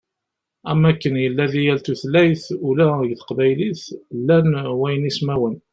Am wakken yella di yal tutlayt, ula deg teqbaylit llan waynismawen.